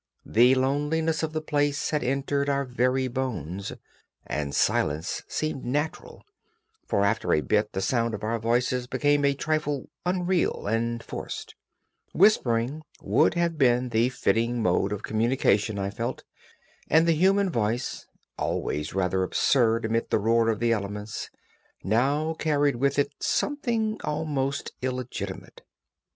The loneliness of the place had entered our very bones, and silence seemed natural, for after a bit the sound of our voices became a trifle unreal and forced; whispering would have been the fitting mode of communication, I felt, and the human voice, always rather absurd amid the roar of the elements, now carried with it something almost illegitimate.